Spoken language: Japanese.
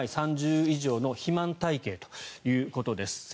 ＢＭＩ３０以上の肥満体形いうことです。